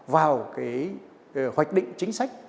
vào cái hoạch định chính sách